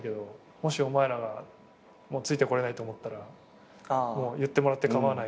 「もしお前らがついてこれないと思ったら言ってもらってかまわない」